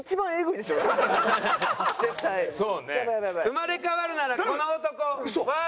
生まれ変わるならこの男ワースト３。